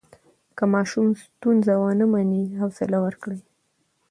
که ماشوم ستونزه ونه مني، حوصله ورکړئ.